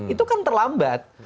itu kan terlambat